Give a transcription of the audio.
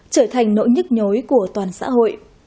trở thành nỗi nhức nhối của toàn xã hội